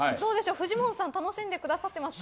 フジモンさん楽しんでくださってますか？